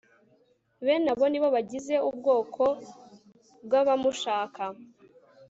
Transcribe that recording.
bene abo ni bo bagize ubwoko bw'abamushaka